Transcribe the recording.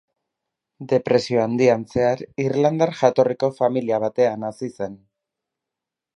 Depresio Handian zehar irlandar jatorriko familia batean hazi zen.